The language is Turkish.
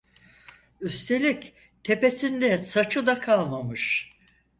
Üstelik tepesinde saçı da kalmamış.